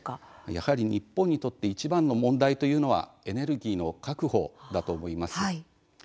やはり、日本にとっていちばんの問題というのはエネルギーの確保だと思います。